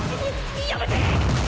やめて！